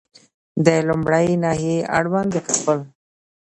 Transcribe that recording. د لومړۍ ناحیې اړوند د کابل